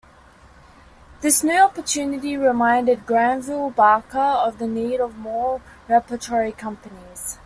This new opportunity reminded Granville-Barker of the need for more repertory companies.